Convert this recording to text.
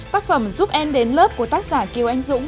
tác phẩm giúp em đến lớp của tác giả kiều anh dũng